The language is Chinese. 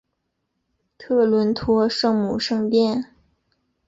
特伦托圣母圣殿。